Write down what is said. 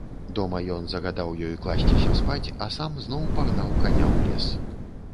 Дома ён загадаў ёй класціся спаць, а сам зноў пагнаў каня ў лес.